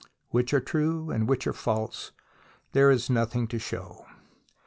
Which are true and which false, there is nothing to show.